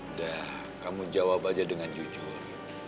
udah kamu jawab aja dengan jujur